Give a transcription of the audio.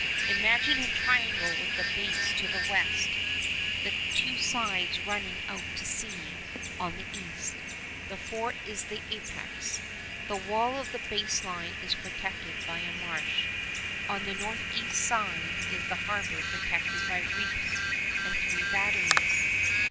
Imagine a triangle with the base to the west, the two sides running out to sea on the east. The fort is at the apex. The wall of the base line is protected by a marsh. On the northeast side is the harbor protected by reefs and three batteries.